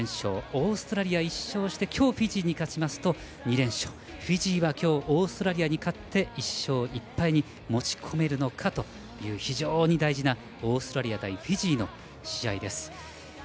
オーストラリア１勝して今日、フィジーに勝ちますと２連勝、フィジーは今日オーストラリアに勝って１勝１敗に持ち込めるのかという非常に大事なオーストラリア対フィジーの試合です。